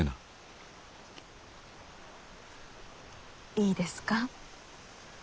いいですか？